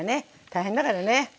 大変だからね。